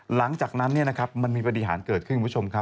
หลังจากนั้นมันมีปฏิหารเกิดขึ้นคุณผู้ชมครับ